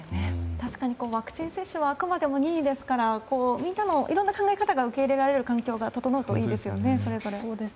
確かにワクチン接種はあくまでも任意ですからみんなのいろんな考え方の受け入れられる環境が整うといいですよね。